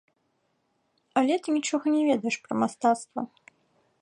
Але ты нічога не ведаеш пра мастацтва.